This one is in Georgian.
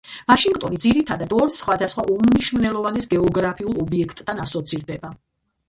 ვაშინგტონი ძირითადად ორ სხვადასხვა უმნიშვნელოვანეს გეოგრაფიულ ობიექტთან ასოცირდება